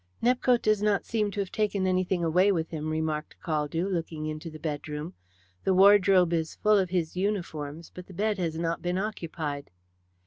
"Nepcote does not seem to have taken anything away with him," remarked Caldew, looking into the bedroom. "The wardrobe is full of his uniforms, but the bed has not been occupied."